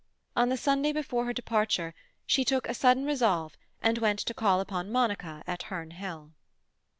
On the Sunday before her departure she took a sudden resolve and went to call upon Monica at Herne Hill.